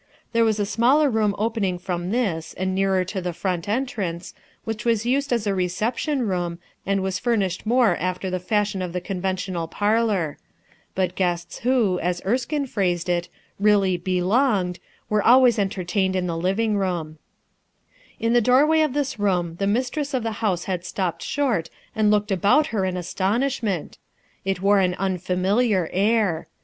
There was a smaller room opening from thi* and nearer the front entrance, which was used as a reception room, and was furnished more after the fashion of the conventional parlor; but guests who, as Ei>kme phrased it, really "U longed," were always entertained hi the living room* In the doorway of this room the mistress of the house had stopped shaft and looked alwul her in astonishment. It wore an unfamiliar air.